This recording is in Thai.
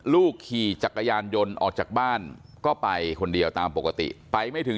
ขี่จักรยานยนต์ออกจากบ้านก็ไปคนเดียวตามปกติไปไม่ถึง